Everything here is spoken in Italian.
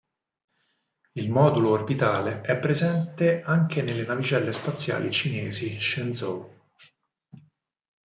Il modulo orbitale è presente anche nelle navicelle spaziali cinesi Shenzhou.